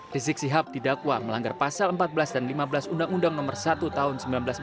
rizik sihab didakwa melanggar pasal empat belas dan lima belas undang undang nomor satu tahun seribu sembilan ratus empat puluh